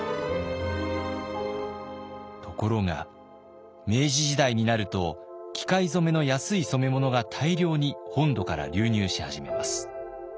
ところが明治時代になると機械染めの安い染物が大量に本土から流入し始めます。